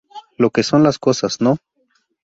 Lo que son las cosas, ¿no?